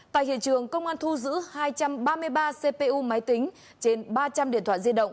tại hiện trường công an thu giữ hai trăm ba mươi ba cpu máy tính trên ba trăm linh điện thoại di động